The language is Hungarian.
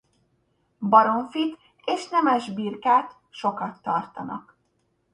Baromfit és nemes birkát sokat tartanak.